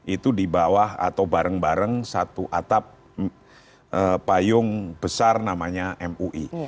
itu di bawah atau bareng bareng satu atap payung besar namanya mui